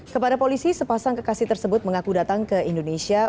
kepada polisi sepasang kekasih tersebut mengaku datang ke indonesia